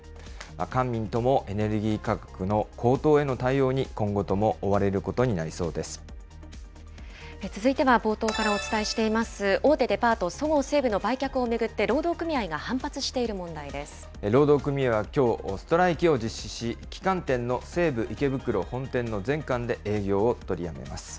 官民ともエネルギー価格の高騰への対応に今後とも追われることに続いては冒頭からお伝えしています、大手デパート、そごう・西武の売却を巡って、労働組合はきょう、ストライキを実施し、旗艦店の西武池袋本店の全館で営業を取りやめます。